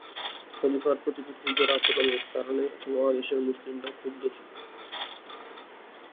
খলিফার প্রতি ব্রিটিশদের আচরণের কারণে উপমহাদেশের মুসলিমরা ক্ষুব্ধ ছিল।